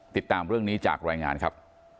ติดตามเรื่องนี้จากรายงานครับ